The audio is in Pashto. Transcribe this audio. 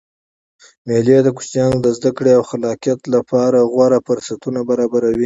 مېلې د کوچنيانو د زدکړي او خلاقیت له پاره غوره فرصتونه برابروي.